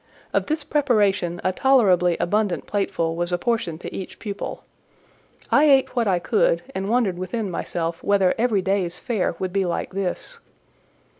Of this preparation a tolerably abundant plateful was apportioned to each pupil. I ate what I could, and wondered within myself whether every day's fare would be like this.